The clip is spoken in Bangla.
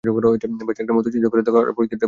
ব্যস একটা মুহুর্ত চিন্তা করে দেখ আর পরিস্থিতিটা বোঝ।